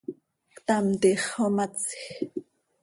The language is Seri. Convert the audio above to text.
Ctam, tiix xomatsj.